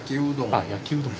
あっ焼きうどん。